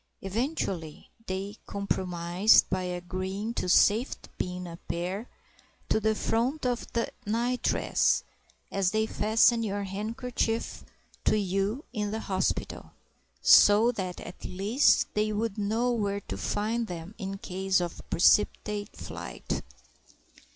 Eventually they compromised by agreeing to safety pin a pair to the front of the nightdress (as they fasten your handkerchief to you in the hospital), so that at least they would know where to find them in case of precipitate flight.